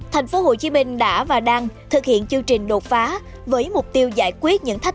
thành phố hồ chí minh đã và đang thực hiện chương trình đột phá với mục tiêu giải quyết những thách